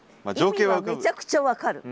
意味はめちゃくちゃ分かる。